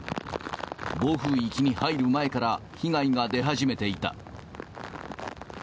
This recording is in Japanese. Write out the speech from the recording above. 暴風域に入る前から被害が出始めていた。